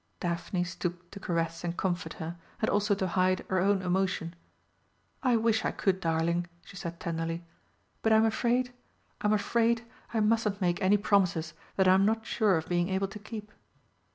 Daphne stooped to caress and comfort her, and also to hide her own emotion. "I wish I could, darling," she said tenderly, "but I'm afraid, I'm afraid I mustn't make any promises that I'm not sure of being able to keep."